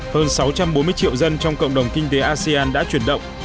hơn sáu trăm bốn mươi triệu dân trong cộng đồng kinh tế asean đã chuyển động